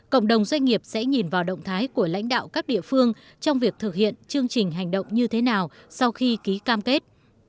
cộng đồng doanh nghiệp sẽ nhìn vào động thái của lãnh đạo các địa phương trong việc thực hiện chương trình hành động như thế nào sau khi ký cam kết